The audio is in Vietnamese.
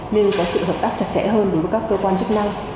nên có sự hợp tác chặt chẽ hơn đối với các cơ quan chức năng